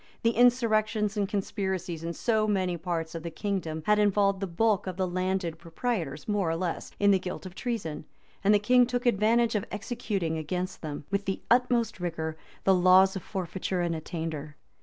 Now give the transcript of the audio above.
The insurrections and conspiracies in so many parts of the kingdom had involved the bulk of the landed proprietors, more or less, in the guilt of treason; and the king took advantage of executing against them, with the utmost rigor, the laws of forfeiture and attainder.